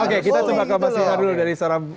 oke kita coba kemasinan dulu dari seorang